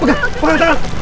jangan jangankan tangan